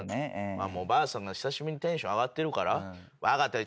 ばあさんが久しぶりにテンション上がってるから「分かった。